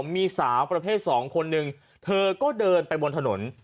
มีสาวประเภทสองคนนึงเธอก็เดินไปบนถนน